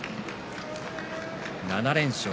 ７連勝。